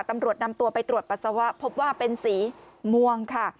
ตำรวจนำตัวไปตรวจปัสสาวะพบว่าเป็นสีม่วงค่ะ